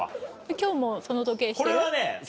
今日もその時計してる？